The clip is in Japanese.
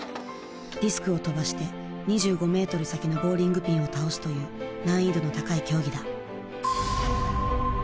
ディスクを飛ばして２５メートル先のボウリングピンを倒すという難易度の高い競技だ。